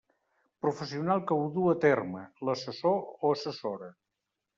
Professional que ho du a terme: l'assessor o assessora.